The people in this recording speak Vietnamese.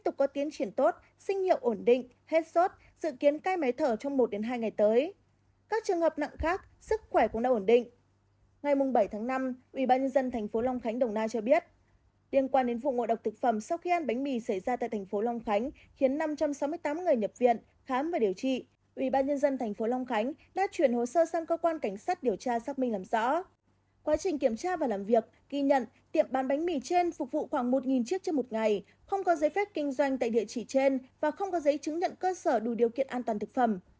quá trình kiểm tra và làm việc ghi nhận tiệm bán bánh mì trên phục vụ khoảng một chiếc trên một ngày không có giấy phép kinh doanh tại địa chỉ trên và không có giấy chứng nhận cơ sở đủ điều kiện an toàn thực phẩm